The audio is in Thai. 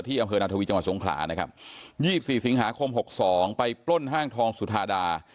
อำเภอนาธวีจังหวัดสงขลานะครับ๒๔สิงหาคม๖๒ไปปล้นห้างทองสุธาดา